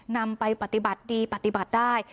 นำไปปฏิบัติดีปฏิบัติได้